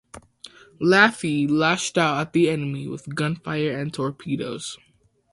"Laffey" lashed out at the enemy with gunfire and torpedoes.